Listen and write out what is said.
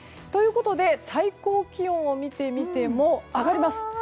ということで最高気温を見てみても上がります。